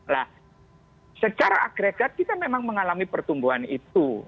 nah secara agregat kita memang mengalami pertumbuhan itu